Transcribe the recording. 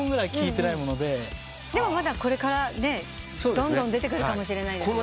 でもこれからねどんどん出てくるかもしれない。